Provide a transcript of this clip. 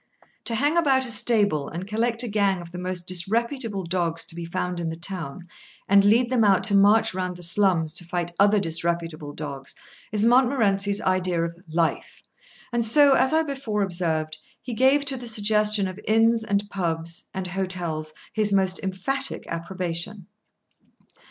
To hang about a stable, and collect a gang of the most disreputable dogs to be found in the town, and lead them out to march round the slums to fight other disreputable dogs, is Montmorency's idea of "life;" and so, as I before observed, he gave to the suggestion of inns, and pubs., and hotels his most emphatic approbation.